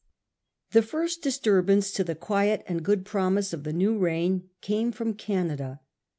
The first disturbance to the quiet and good promise of the new reign came from Canada.